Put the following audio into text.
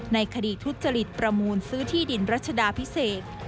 ในคดีทุจริตประมูลซื้อที่ดินรัชดาพิเศษ